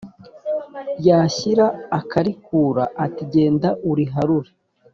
yashyira akarikura ati genda uriharure